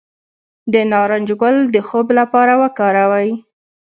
د نارنج ګل د خوب لپاره وکاروئ